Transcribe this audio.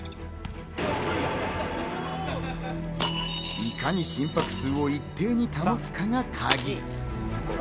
いかに心拍数を一定に保つかがカギ。